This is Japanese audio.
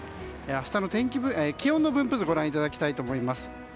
明日の気温の分布図をご覧いただきたいと思います。